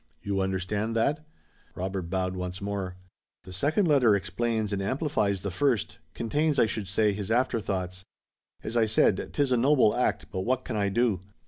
You understand that?" Robert bowed once more. "The second letter explains and amplifies the first, contains, I should say, his afterthoughts. As I said, 'tis a noble act, but what can I do?